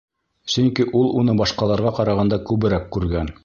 — Сөнки ул уны башҡаларға ҡарағанда күберәк күргән.